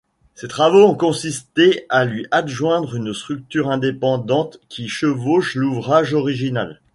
Ces travaux ont consisté à lui adjoindre une structure indépendante qui chevauche l'ouvrage original.